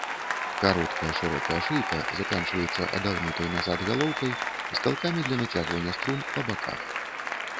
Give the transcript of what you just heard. Кароткая шырокая шыйка заканчваецца адагнутай назад галоўкай з калкамі для нацягвання струн па баках.